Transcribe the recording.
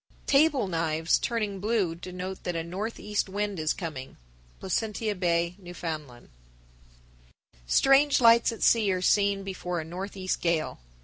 Table knives turning blue denote that a northeast wind is coming. Placentia Bay, N.F. 1061. Strange lights at sea are seen before a northeast gale.